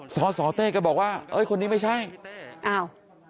สสเต้ก็บอกว่าเอ้ยคนนี้ไม่ใช่อ้าว